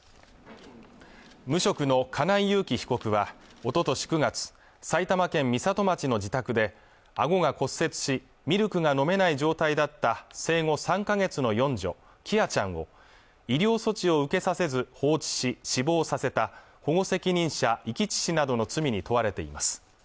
無職の金井裕喜被告はおととし９月埼玉県美里町の自宅で顎が骨折しミルクが飲めない状態だった生後３か月の四女・喜空ちゃんを医療措置を受けさせず放置し死亡させた保護責任者遺棄致死などの罪に問われています